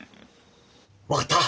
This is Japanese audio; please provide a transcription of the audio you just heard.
分かった！